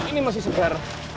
ini masih segar